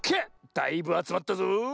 だいぶあつまったぞ。